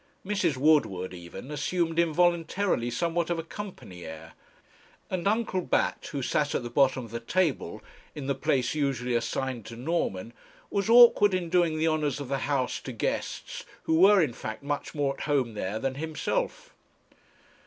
Mrs. Woodward, even, assumed involuntarily somewhat of a company air; and Uncle Bat, who sat at the bottom of the table, in the place usually assigned to Norman, was awkward in doing the honours of the house to guests who were in fact much more at home there than himself.